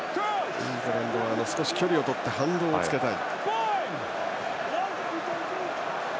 イングランドは少し距離をとって反動をつけたい。